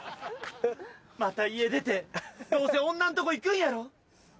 また家出てどうせ女のとこ行くんやろ？